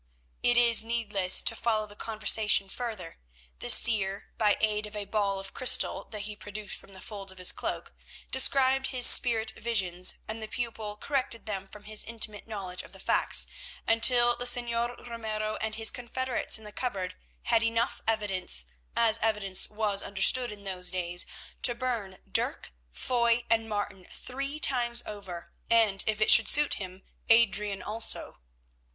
It is needless to follow the conversation further. The seer, by aid of a ball of crystal that he produced from the folds of his cloak, described his spirit visions, and the pupil corrected them from his intimate knowledge of the facts, until the Señor Ramiro and his confederates in the cupboard had enough evidence, as evidence was understood in those days, to burn Dirk, Foy, and Martin three times over, and, if it should suit him, Adrian also.